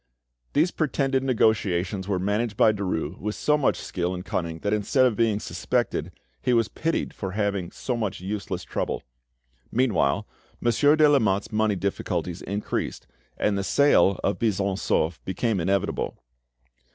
These pretended negotiations were managed by Derues with so much skill and cunning that instead of being suspected, he was pitied for having so much useless trouble. Meanwhile, Monsieur de Lamotte's money difficulties increased, and the sale of Buisson Souef became inevitable.